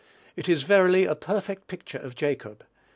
It is verily a perfect picture of Jacob.